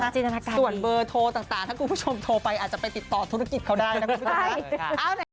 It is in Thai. ส่วนเบอร์โทรต่างถ้าคุณผู้ชมโทรไปอาจจะไปติดต่อธุรกิจเขาได้นะครับ